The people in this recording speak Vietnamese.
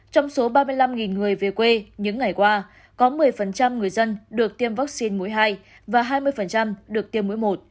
trong số ba mươi năm người về quê những ngày qua có một mươi người dân được tiêm vaccine mũi hai và hai mươi được tiêm mũi một